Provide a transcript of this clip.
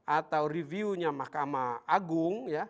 atau reviewnya mahkamah agung